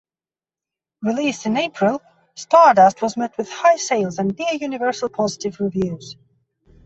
Released in April, "Stardust" was met with high sales and near-universal positive reviews.